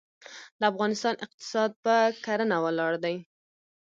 د افغانستان اقتصاد په کرنه ولاړ دی.